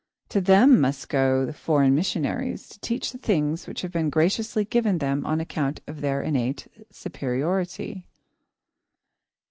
To them must go the foreign missionaries, to teach the things which have been graciously given them on account of their innate superiority.